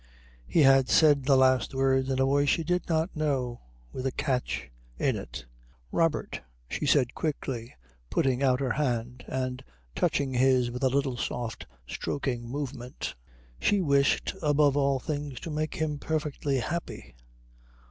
He had said the last words in a voice she did not know, with a catch in it. "Robert " she said quickly, putting out her hand and touching his with a little soft stroking movement. She wished above all things to make him perfectly happy.